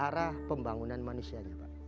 ke arah pembangunan manusia